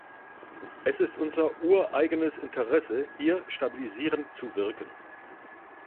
Es ist unser ureigenes Interesse, hier stabilisierend zu wirken.